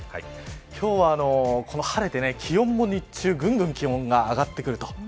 今日は、この晴れて気温も日中ぐんぐん上がってくると。